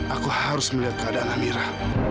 aku harus melihat keadaan amirah